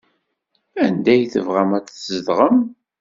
Anda ay tebɣam ad tzedɣem?